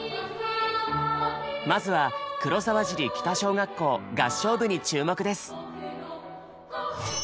まずは黒沢尻北小学校合唱部に注目です。